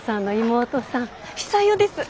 久代です。